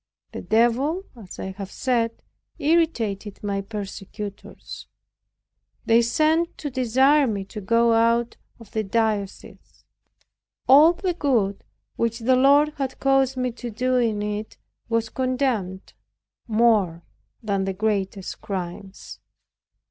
The Devil, as I have said, irritated my persecutors. They sent to desire me to go out of the diocese. All the good which the Lord had caused me to do in it was condemned, more than the greatest crimes.